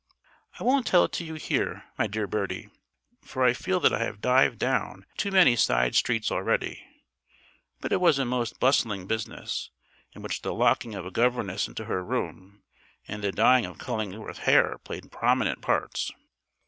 I won't tell it to you here, my dear Bertie, for I feel that I have dived down too many side streets already; but it was a most bustling business, in which the locking of a governess into her room and the dyeing of Cullingworth's hair played prominent parts.